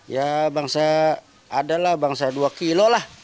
ya bangsa adalah bangsa dua kilo lah